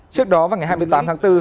trước đó vào ngày hai mươi tám tháng bốn